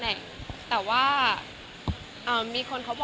จึงอยู่กับเราไม่นาน